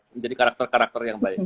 menjadi karakter karakter yang baik